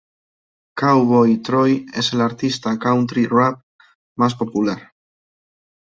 Cowboy Troy es el artista de country-rap más popular.